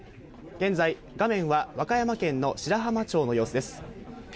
現在、画面は和歌山県の白浜町の様子です。